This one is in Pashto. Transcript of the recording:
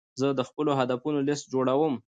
زه د خپلو هدفونو لیست جوړوم.